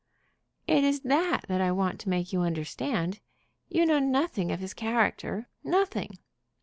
"It is that that I want to make you understand. You know nothing of his character; nothing."